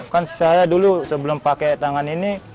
kan saya dulu sebelum pakai tangan ini